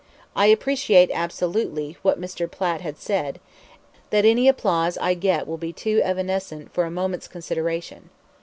... I appreciate absolutely [what Mr. Platt had said] that any applause I get will be too evanescent for a moment's consideration.